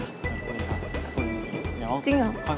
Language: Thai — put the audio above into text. คุยค่ะคุยอย่างนี้